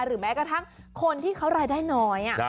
หรือแม้กระทั้งคนที่เค้ารายได้น้อย